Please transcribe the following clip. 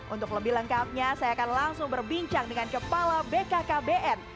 untuk lebih lengkapnya saya akan langsung berbincang dengan kepala bkkbn